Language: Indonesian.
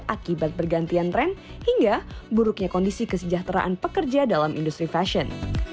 akibat bergantian tren hingga buruknya kondisi kesejahteraan pekerja dalam industri fashion